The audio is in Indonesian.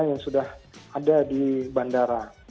yang sudah ada di bandara